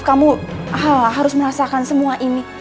kamu harus merasakan semua ini